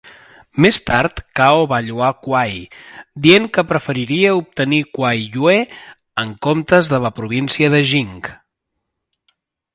Més tard, Cao va lloar Kuai, dient que preferiria obtenir Kuai Yue en comptes de la província de Jing.